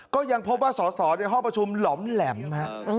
ก็ยังพบว่าสอสอในห้องประชุมหล่อมแหลมฮะ